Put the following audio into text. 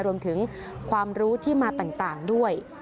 รวมถึงความรู้ที่มาต่างด้วย